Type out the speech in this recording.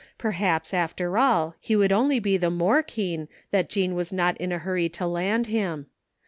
Perhaps, after all, he would only be the more keen that Jean was not in a hurry to land him.